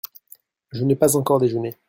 Je n’ai pas encore déjeuné.